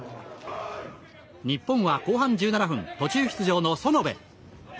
日本は後半１７分途中出場の園部。